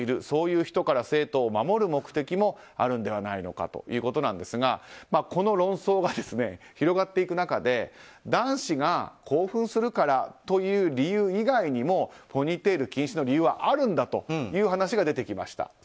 そういう人から生徒を守る目的もあるのではないかということですがこの論争が広がっていく中で男子が興奮するからという理由以外にもポニーテール禁止の理由はあるんだという話が出てきました。